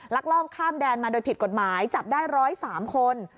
ลอบข้ามแดนมาโดยผิดกฎหมายจับได้๑๐๓คน